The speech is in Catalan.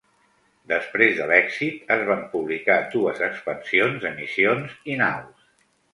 Després de l'èxit, es van publicar dues expansions de missions i naus.